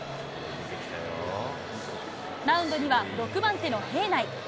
マウンドには６番手の平内。